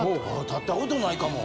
立ったことないかも。